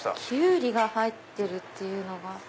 キュウリが入ってるっていうのが。